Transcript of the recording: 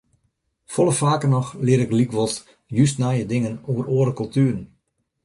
Folle faker noch lear ik lykwols just nije dingen oer oare kultueren.